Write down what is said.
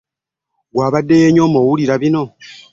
Ggwe abadde yeenyooma wulira bino.